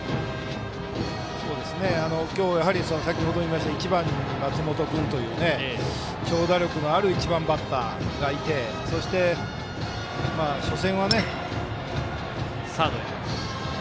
今日先ほど言いましたように１番に松本君という長打力のある１番バッターがいてそして、初戦はね。